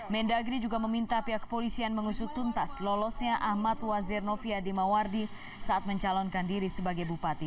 mendagri juga meminta pihak kepolisian mengusut tuntas lolosnya ahmad wazir novia dimawardi saat mencalonkan diri sebagai bupati